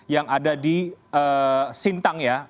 yang ada di sintang ya